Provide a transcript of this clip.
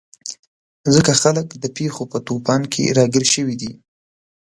ځکه خلک د پېښو په توپان کې راګیر شوي دي.